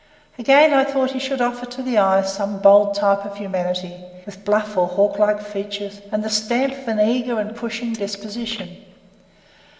Again, I thought he should offer to the eye some bold type of humanity, with bluff or hawk like features, and the stamp of an eager and pushing disposition.